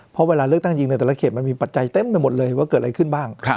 เพราะเวลาเลือกตั้งจริงในแต่ละเขตมันมีปัจจัยเต็มไปหมดเลยว่าเกิดอะไรขึ้นบ้าง